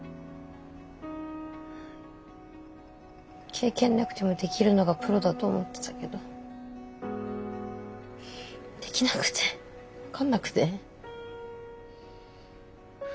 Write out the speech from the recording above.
経験なくてもできるのがプロだと思ってたけどできなくて分かんなくて。